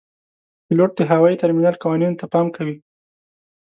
پیلوټ د هوايي ترمینل قوانینو ته پام کوي.